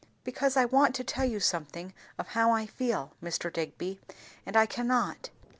"Because I want to tell you something of how feel, Mr. Digby, and I cannot."